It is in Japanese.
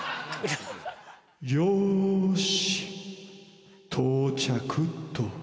「よし到着っと」。